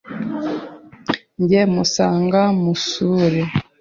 Njye musanga musure